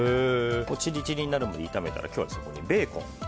チリチリになるまで炒めたら今日はベーコン。